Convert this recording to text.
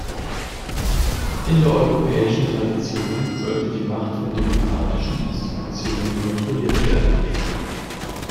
In der europäischen Tradition sollte die Macht von demokratischen Institutionen kontrolliert werden.